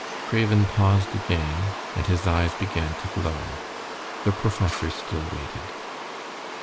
Craven paused again, and his eyes began to glow. The professor still waited.